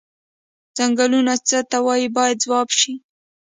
څنګلونه څه ته وایي باید ځواب شي.